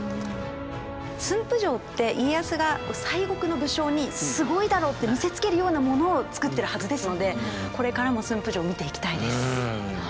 駿府城って家康が西国の武将にすごいだろって見せつけるようなものを造ってるはずですのでこれからも駿府城見ていきたいです。